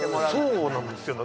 そうなんですよね。